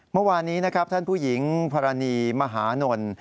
เมื่อวานนี้นะครับท่านผู้หญิงพรณีมหานล